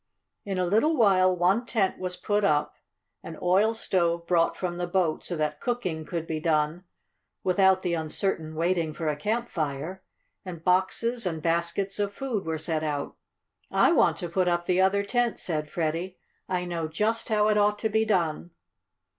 In a little while one tent was put up, an oil stove brought from the boat so that cooking could be done without the uncertain waiting for a campfire, and boxes and baskets of food were set out. "I want to put up the other tent," said Freddie. "I know just how it ought to be done."